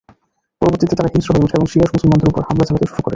পরবর্তীতে তারা হিংস্র হয়ে ওঠে এবং শিয়া মুসলমানদের উপর হামলা চালাতে শুরু করে।